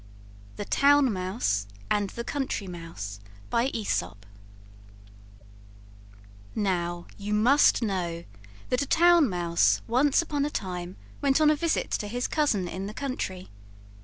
THE TOWN MOUSE AND THE COUNTRY MOUSE Now you must know that a Town Mouse once upon a time went on a visit to his cousin in the country.